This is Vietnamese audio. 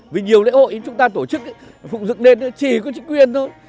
vì nhiều lễ hội chúng ta tổ chức phụng dựng đến chỉ có chính quyền thôi